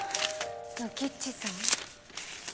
ノキッチさん？